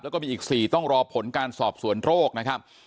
แล้วก็มีอีก๔ต้องรอผลการสอบสวนโรคนะครับ